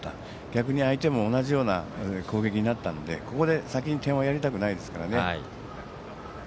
逆に相手も同じような攻撃になったのでここで先に点をやりたくないですからね。